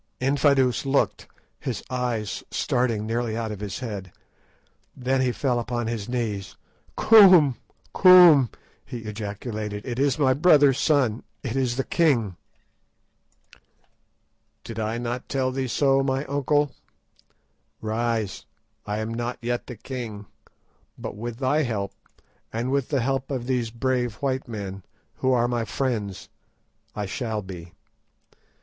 Infadoos looked, his eyes starting nearly out of his head. Then he fell upon his knees. "Koom! Koom!" he ejaculated; "it is my brother's son; it is the king." "Did I not tell thee so, my uncle? Rise; I am not yet the king, but with thy help, and with the help of these brave white men, who are my friends, I shall be.